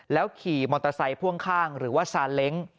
ขี่มอเตอร์ไซค์พ่วงข้างหรือว่าซาเล้ง